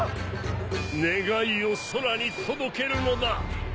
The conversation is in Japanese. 願いを空に届けるのだ。